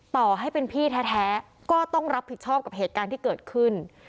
ต่อให้เป็นพี่แท้ก็ต้องรับผิดชอบกับเหตุการณ์ที่เกิดขึ้น